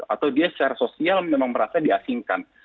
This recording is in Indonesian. atau dia secara sosial memang merasa diasingkan